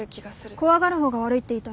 怖がる方が悪いって言いたいの？